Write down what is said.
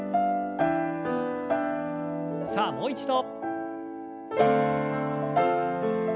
さあもう一度。